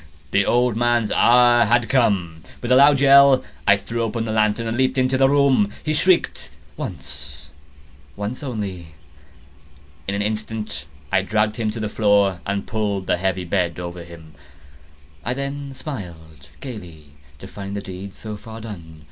The old man's hour had come! With a loud yell, I threw open the lantern and leaped into the room. He shrieked once—once only. In an instant I dragged him to the floor, and pulled the heavy bed over him. I then smiled gaily, to find the deed so far done.